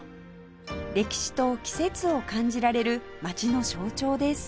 歴史と季節を感じられる街の象徴です